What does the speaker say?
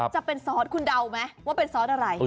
จะเป็นซอสคุณเดาไหมว่าเป็นซอสอะไร